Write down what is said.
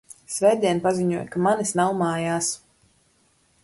Svētdien paziņoju, ka manis nav mājās!